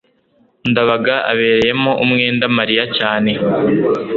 ndabaga abereyemo umwenda mariya cyane